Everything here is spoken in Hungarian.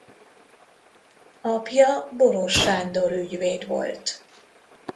Apja Boross Sándor ügyvéd volt.